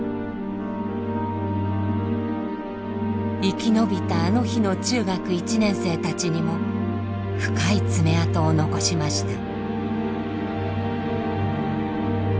生き延びたあの日の中学１年生たちにも深い爪痕を残しました。